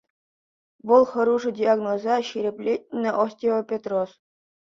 Вӑл хӑрушӑ диагноза ҫирӗплетнӗ -- остеопетроз.